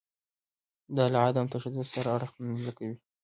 دا له عدم تشدد سره اړخ نه لګوي.